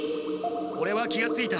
オレは気がついた。